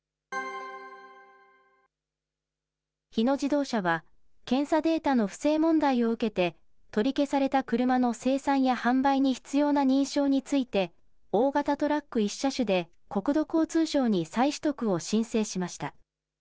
日野自動車は、検査データの不正問題を受けて、取り消された車の生産や販売に必要な認証について、大型トラック１車種で、国土交通省に再取得を申請しました。